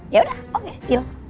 yaudah oke yuk